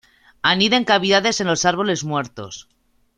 Anida en cavidades en los árboles muertos.